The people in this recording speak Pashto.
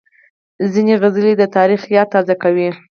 ځینې سندرې د تاریخ یاد تازه کوي.